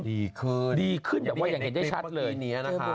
ดีขึ้นแบบว่าอย่างนี้ได้ชัดเลย